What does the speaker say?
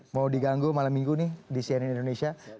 mau diganggu malam minggu nih di cnn indonesia